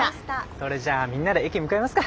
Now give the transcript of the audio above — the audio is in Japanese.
それじゃみんなで駅向かいますか。